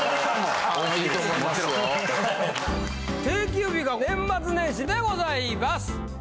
定休日が年末年始でございます。